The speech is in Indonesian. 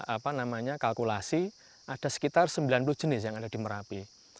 apa namanya kalkulasi ada sekitar sembilan puluh jenis yang ada di merapi